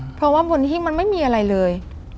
เพราะว่าบนหิ้งมันไม่มีอะไรเลย